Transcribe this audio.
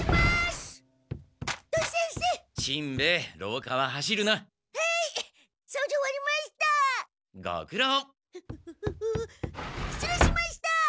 しつ礼しました！